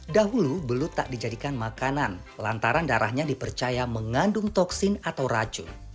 dahulu belut tak dijadikan makanan lantaran darahnya dipercaya mengandung toksin atau racun